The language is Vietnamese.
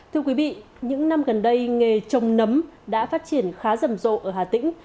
thưa quý vị những năm gần đây nghề trồng nấm đã phát triển khá rầm rộ ở hà tĩnh